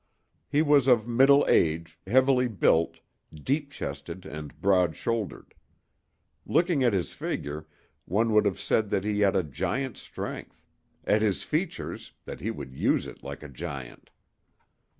He was of middle age, heavily built, deep chested and broad shouldered. Looking at his figure, one would have said that he had a giant's strength; at his features, that he would use it like a giant.